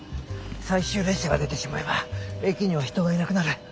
最終電車が出てしまえば駅には人がいなくなる。